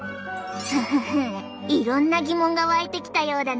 フフフいろんな疑問が湧いてきたようだね。